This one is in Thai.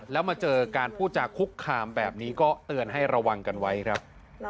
แล้วมาเจอการพูดจากคุกคามแบบนี้ก็เตือนให้ระวังกันไว้ครับ